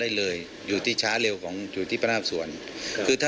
หากผู้ต้องหารายใดเป็นผู้กระทำจะแจ้งข้อหาเพื่อสรุปสำนวนต่อพนักงานอายการจังหวัดกรสินต่อไป